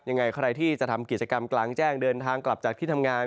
ยังไงใครที่จะทำกิจกรรมกลางแจ้งเดินทางกลับจากที่ทำงาน